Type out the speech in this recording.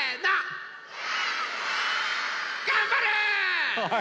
がんばる！